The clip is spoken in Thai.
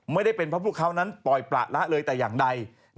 ไม่ได้เป็นเพราะพวกเขานั้นปล่อยประละเลยแต่อย่างใด